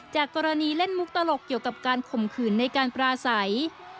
กรณีเล่นมุกตลกเกี่ยวกับการข่มขืนในการปราศัย